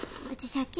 借金！？